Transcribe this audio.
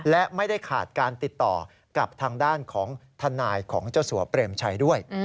และไม่ได้ขาดการติดต่อกับทางด้านของทนายของเจ้าสัวเปรมชัยด้วย